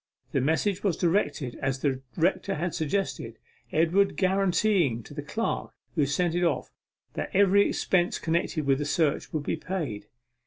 The message was directed as the rector had suggested, Edward guaranteeing to the clerk who sent it off that every expense connected with the search would be paid.